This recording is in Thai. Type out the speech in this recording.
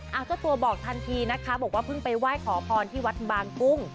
เอาเจ้าตัวบอกทันทีนะคะบอกว่าเพิ่งไปไหว้ขอพรที่วัดบางกุ้ง